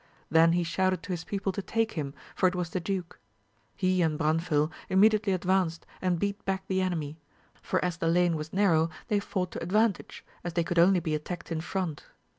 Then he shouted to his people to take him, for it was the duke. He and Branfil immediately advanced and beat back the enemy ; for as the lane was narrow they fought to advantage, as they could only be attacked in front.